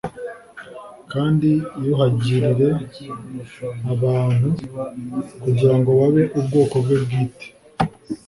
kandi yuhagirire abantu kugira ngo babe ubwoko bwe bwite